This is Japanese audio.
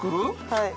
はい。